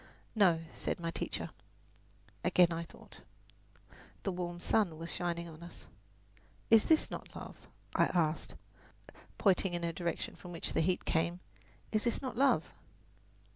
"No," said my teacher. Again I thought. The warm sun was shining on us. "Is this not love?" I asked, pointing in the direction from which the heat came. "Is this not love?"